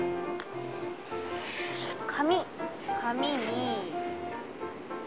紙紙に。